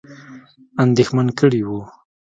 اندېښمن کړي وه.